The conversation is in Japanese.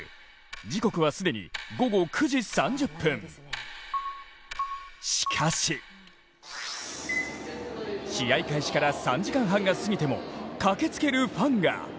時刻は既に午後９時３０分、しかし試合開始から３時間半が過ぎても駆けつけるファンが。